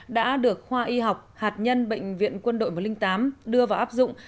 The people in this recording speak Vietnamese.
đã được khoa y học hạt nhân bệnh viện quân đội một trăm linh tám đưa vào áp dụng